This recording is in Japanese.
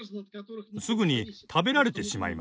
すぐに食べられてしまいます。